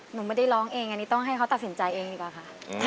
หนูไม่ได้ร้องเองอันนี้ต้องให้เขาตัดสินใจเองดีกว่าค่ะ